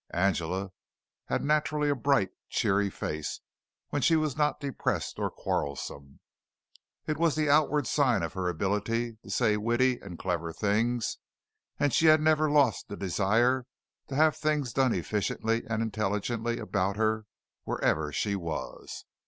Angela had naturally a bright, cheery face, when she was not depressed or quarrelsome. It was the outward sign of her ability to say witty and clever things, and she had never lost the desire to have things done efficiently and intelligently about her wherever she was.